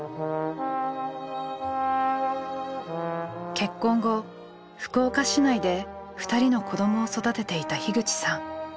結婚後福岡市内で２人の子どもを育てていた口さん。